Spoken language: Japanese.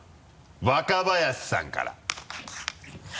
若林さんから。